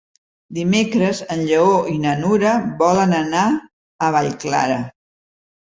Dimecres en Lleó i na Nura volen anar a Vallclara.